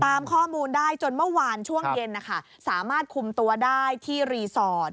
ตามข้อมูลได้จนเมื่อวานช่วงเย็นนะคะสามารถคุมตัวได้ที่รีสอร์ท